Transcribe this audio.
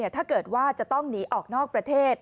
ถ้าเกิดว่าจะต้องหนีออกนอกประเทศ